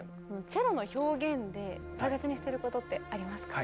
チェロの表現で大切にしてることってありますか？